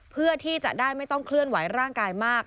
เพื่อที่จะได้ไม่ต้องเคลื่อนไหวร่างกายมาก